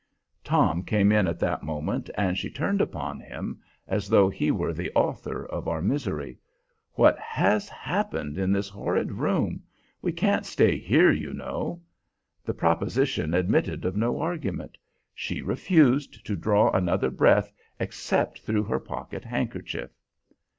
Tom came in at that moment, and she turned upon him as though he were the author of our misery. "What has happened in this horrid room? We can't stay here, you know!" The proposition admitted of no argument. She refused to draw another breath except through her pocket handkerchief.